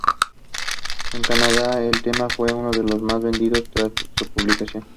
En Canadá, el tema fue uno de los más vendidos tras su publicación.